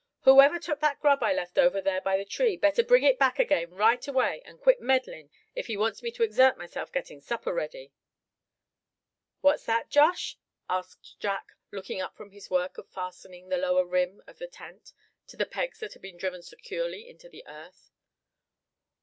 "Whoever took that grub I left over here by the tree, better bring it back again right away, and quit meddlin' if he wants me to exert myself getting supper ready." "What's that, Josh?" asked Jack, looking up from his work of fastening the lower rim of the tent to the pegs that had been driven securely into the earth.